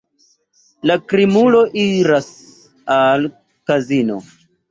La krimulo iras al kazino.